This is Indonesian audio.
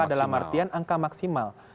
dalam artian angka maksimal